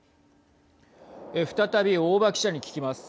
再び大庭記者に聞きます。